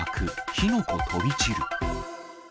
火の粉飛び散る。